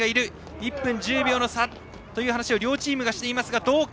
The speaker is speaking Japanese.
１分１０秒の差という話を両チームがしているがどうか。